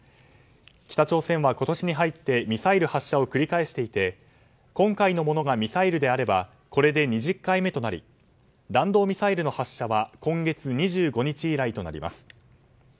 北朝鮮は今年に入ってミサイル発射を繰り返していて今回のものがミサイルであればこれで２０回目となり弾道ミサイルの発射は今月２５日以来となります。